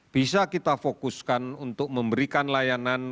bisa kita fokuskan untuk memberikan layanan